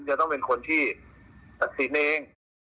จะต้องเป็นคนที่หักศีลไว้เอง